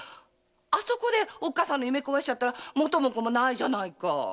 あそこでおっかさんの夢壊しちゃったら元も子もないじゃないか。